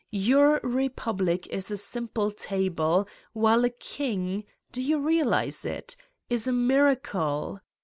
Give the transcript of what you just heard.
Your republic is a simple 188 Satan's Diary table, while a king do you realize it! is a miracle!